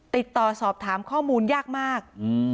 ติดต่อสอบถามข้อมูลยากมาก